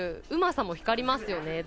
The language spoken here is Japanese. うまさも光りますよね。